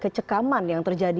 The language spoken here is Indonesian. kecekaman yang terjadi